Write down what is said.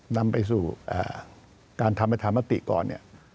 นำไปสู่การทำจำนปฏิกรเนี่ย